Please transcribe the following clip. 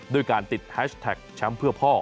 ด้วยการติดแฮชแท็กแชมป์เพื่อพ่อ